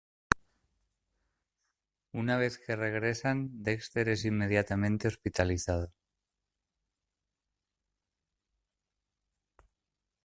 Una vez que regresan, Dexter es inmediatamente hospitalizado.